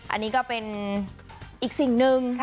อันนี้ก็เป็นอีกสิ่งหนึ่ง